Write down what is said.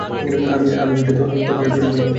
আমি তোর বাড়ি পর্যন্ত যাব না।